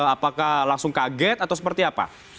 apakah langsung kaget atau seperti apa